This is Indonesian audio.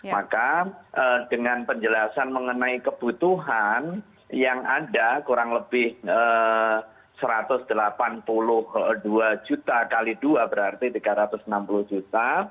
maka dengan penjelasan mengenai kebutuhan yang ada kurang lebih satu ratus delapan puluh dua juta x dua berarti tiga ratus enam puluh juta